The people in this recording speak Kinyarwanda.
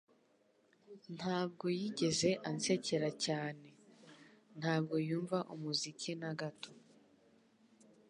Ntabwo yigeze ansekera cyane. Ntabwo yumva umuziki na gato.